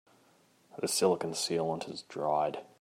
The silicon sealant has dried.